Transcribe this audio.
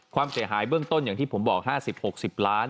ความเสียหายเบื้องต้นอย่างที่ผมบอก๕๐๖๐ล้าน